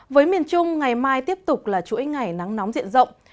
với miền trung ngày mai tiếp tục là chuỗi ngày nắng nóng diện rộng